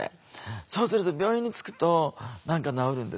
そうすると病院に着くと何か治るんですよね。